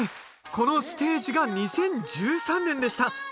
このステージが２０１３年でした。